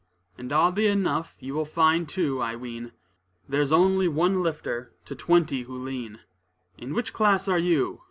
And oddly enough, you will find too, I ween, There's only one lifter to twenty who lean. In which class are you?